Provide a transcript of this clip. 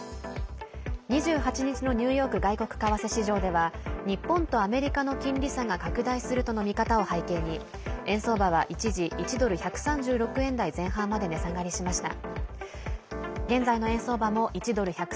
２８日のニューヨーク外国為替市場では日本とアメリカの金利差が拡大するとの見方を背景に円相場は一時１ドル＝１３６円台前半まで値下がりしました。